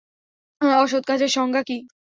অসৎ কাজের সংজ্ঞা কী?